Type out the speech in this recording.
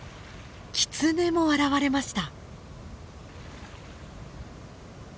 キツネも現れました。